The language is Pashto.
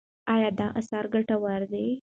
ایا دا اثر ګټور دی؟